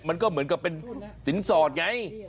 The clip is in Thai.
มันก็เหมือนกับเป็นสินสอดไง